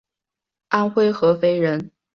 安徽合肥人。